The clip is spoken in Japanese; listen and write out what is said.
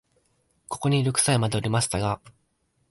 ここに六歳までおりましたが、